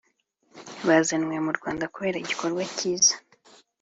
byazanywe mu Rwanda kubera igikorwa cyiza